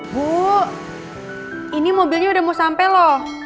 bu ini mobilnya udah mau sampai loh